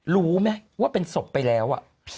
รู้ไหมว่าเป็นศพไปแล้ว